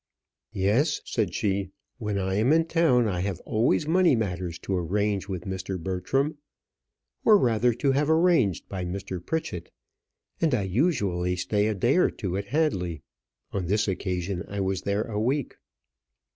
"Yes," said she; "when I am in town, I have always money matters to arrange with Mr. Bertram, or rather to have arranged by Mr. Pritchett; and I usually stay a day or two at Hadley. On this occasion I was there a week."